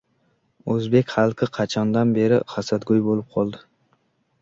O‘zbek xalqi qachondan beri hasadgo‘y bo‘lib qoldi?